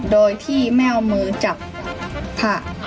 โดยที่แม้มือจับผ้า